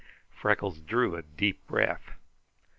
Freckles drew a deep breath.